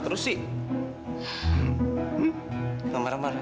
lepas itu ya kamu berdua